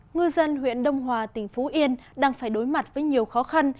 ngư dân huyện đông hòa tỉnh phú yên đang phải đối mặt với nhiều khó khăn